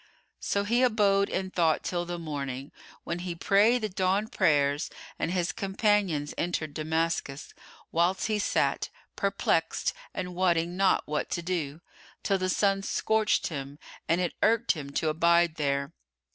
So he abode in thought till the morning, when he prayed the dawn prayers and his companions entered Damascus, whilst he sat, perplexed and wotting not what to do, till the sun scorched him and it irked him to abide there.